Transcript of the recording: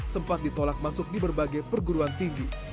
sempat ditolak masuk di berbagai perguruan tinggi